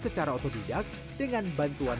secara otodidak dengan bantuan